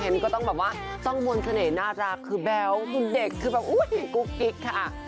เพราะน้องร้องสาวน้องอู๋นั่นเองนะคะน่ารักมาก